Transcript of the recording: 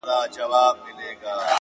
• نفیب ټول ژوند د غُلامانو په رکم نیسې،